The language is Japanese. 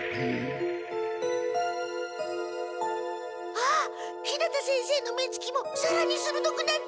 あっ日向先生の目つきもさらにするどくなった！